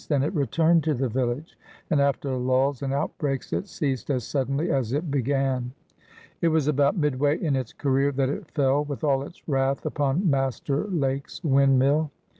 Then it returned to the village, and after lulls and outbreaks it ceased as suddenly as it began. It was about midway in its career that it fell with all its wrath upon Master Lake's windmill.